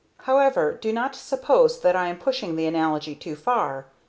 However, do not suppose that I am pushing the analogy too far.